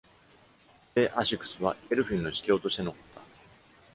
聖 Asicus はエルフィンの司教として残った。